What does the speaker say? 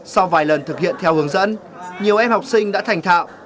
sau vài lần thực hiện theo hướng dẫn nhiều em học sinh đã thành thạo